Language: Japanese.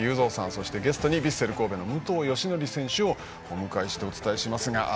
そしてゲストにヴィッセル神戸武藤嘉紀選手をお迎えしてお伝えします。